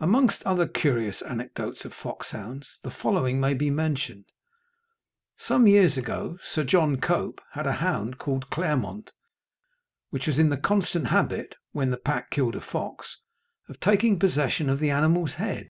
Amongst other curious anecdotes of foxhounds, the following may be mentioned. Some years ago, Sir John Cope had a hound called Clermont, which was in the constant habit, when the pack killed a fox, of taking possession of the animal's head.